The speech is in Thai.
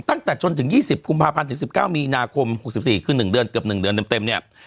ตั้งแต่จนถึง๒๐กุมภาพันธ์ถึง๑๙มีนาคม๖๔คือ๑เดือนเกือบ๑เดือนเต็มเนี่ย